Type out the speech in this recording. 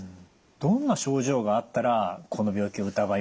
どんな症状があったらこの病気を疑いますか？